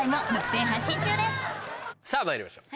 さぁまいりましょう。